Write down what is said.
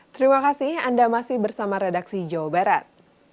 terima kasih anda masih bersama redaksi jawa barat